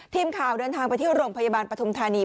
ทีมข่าวเดินทางไปที่โรงพยาบาลปฐุมธานี